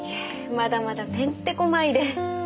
まだまだてんてこまいで。